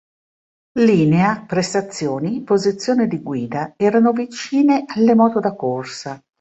Linea, prestazioni, posizione di guida erano vicine alle moto da corsa.